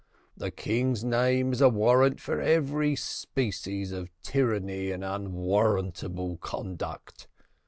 The king's name is a warrant for every species of tyranny and unwarrantable conduct.